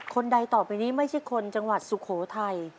คนใดต่อไปนี้ไม่ใช่คนจังหวัดสุโขทัย